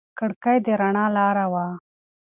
کړکۍ د رڼا لاره وه.